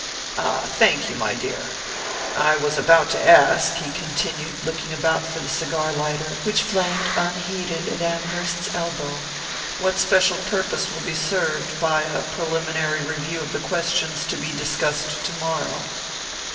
"Ah, thank you, my dear. I was about to ask," he continued, looking about for the cigar lighter, which flamed unheeded at Amherst's elbow, "what special purpose will be served by a preliminary review of the questions to be discussed tomorrow."